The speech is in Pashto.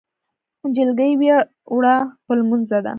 جلکۍ ویلوړه په لمونځه ده